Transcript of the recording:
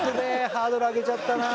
ハードル上げちゃったな。